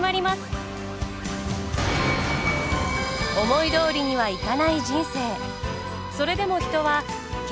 思いどおりにはいかない人生。